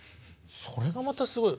それがまたすごい。